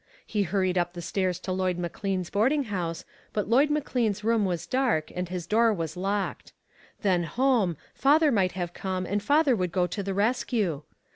He hurried up the stairs to Lloyd McLean's boarding house, but Lloyd McLean's room was dark, and his door was locked. Then home, father might have come, and father would go to the rescue.